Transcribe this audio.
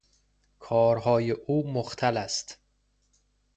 کارهای او مختل است.